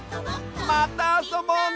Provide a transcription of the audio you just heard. またあそぼうね！